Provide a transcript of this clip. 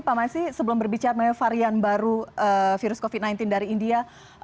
pak masih sebelum berbicara mengenai varian baru virus covid sembilan belas dari india